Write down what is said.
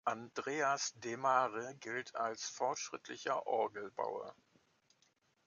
Andreas de Mare gilt als fortschrittlicher Orgelbauer.